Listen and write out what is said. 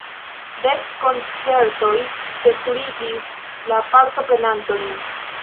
Dek koncertoj plezurigis la partoprenantojn.